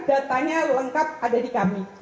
datanya lengkap ada di kami